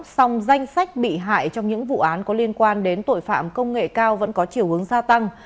song danh sách bị hại trong những vụ án có liên quan đến tội phạm công nghệ cao vẫn có chiều hướng gia tăng